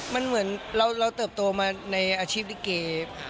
มันเหมือนเราเติบโตมาในอาชีพลิเก